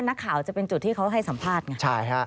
นักข่าวจะเป็นจุดที่เขาให้สัมภาษณ์